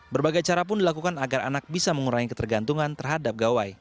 berbagai cara pun dilakukan agar anak bisa mengurangi ketergantungan terhadap gawai